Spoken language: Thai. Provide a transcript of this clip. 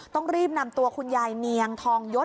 ต้องรีบนำตัวคุณยายเนียงทองยศ